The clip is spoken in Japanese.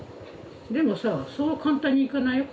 でもさそう簡単にいかないよ。